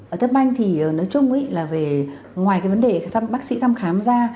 ở tết banh thì nói chung ý là ngoài cái vấn đề bác sĩ thăm khám ra